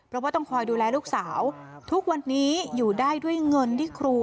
เพราะว่าต้องคอยดูแลลูกสาวทุกวันนี้อยู่ได้ด้วยเงินที่ครู